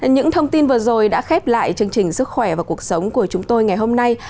những thông tin vừa rồi đã khép lại chương trình sức khỏe và cuộc sống của chúng tôi ngày hôm nay